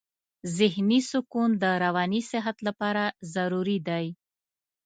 ذهني سکون د رواني صحت لپاره ضروري دی.